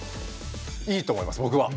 いいと思います僕は。